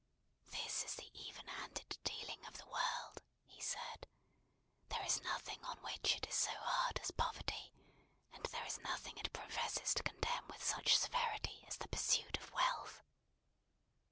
"This is the even handed dealing of the world!" he said. "There is nothing on which it is so hard as poverty; and there is nothing it professes to condemn with such severity as the pursuit of wealth!"